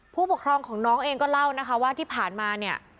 ผู้ปกครองของน้องเองก็เล่านะคะว่าที่ผ่านมาเนี่ย